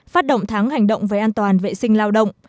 phát động tháng hành động về an toàn vệ sinh lao động